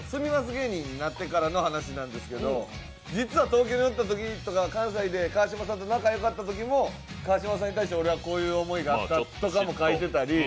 芸人になってからの話なんですけど実は東京におったときとか関西で川島さんと仲が良かったときも川島さんに対して俺はこういう思いがあったというのも書いてたり。